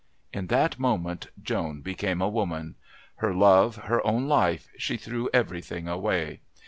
In that moment Joan became a woman. Her love, her own life, she threw everything away.